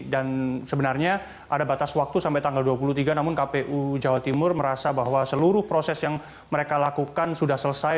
dan sebenarnya ada batas waktu sampai tanggal dua puluh tiga namun kpu jawa timur merasa bahwa seluruh proses yang mereka lakukan sudah selesai